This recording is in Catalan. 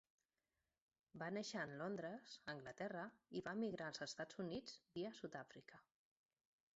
Va néixer en Londres, Anglaterra, i va emigrar als Estats Units via Sud-àfrica.